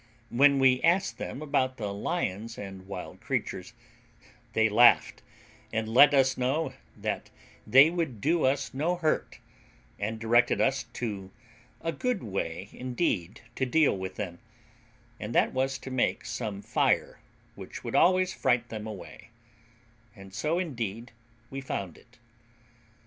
When we asked them about the lions and wild creatures, they laughed, and let us know that they would do us no hurt, and directed us to a good way indeed to deal with them, and that was to make some fire, which would always fright them away; and so indeed we found it.